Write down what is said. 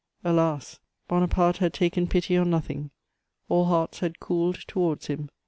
Alas! Bonaparte had taken pity on nothing; all hearts had cooled towards him.